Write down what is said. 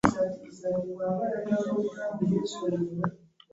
Price bwe yagambye abantu Bano